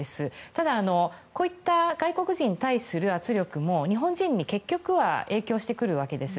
ただ、こういった外国人に対する圧力も日本人に結局は影響してくるわけです。